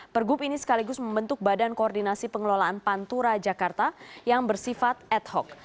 pergub ini sekaligus membentuk badan koordinasi pengelolaan pantura jakarta yang bersifat ad hoc